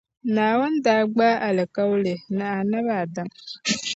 Naawuni daa gbaai alikauli ni Annabi Adam.